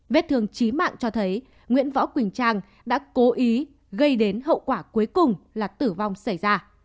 vết thương chí mạng cho thấy nguyễn võ quỳnh trang đã cố ý gây đến hậu quả cuối cùng là tử vong xảy ra